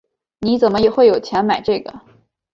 你怎么会有钱买这个？